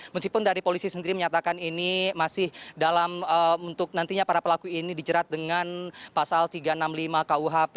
meskipun dari polisi sendiri menyatakan ini masih dalam untuk nantinya para pelaku ini dijerat dengan pasal tiga ratus enam puluh lima kuhp